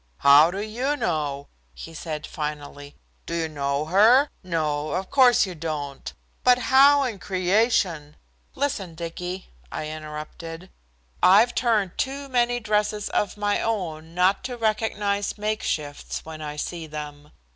"How do you know?" he said finally. "Do you know her? No, of course you don't. But how in creation " "Listen, Dicky," I interrupted. "I've turned too many dresses of my own not to recognize makeshifts when I see them.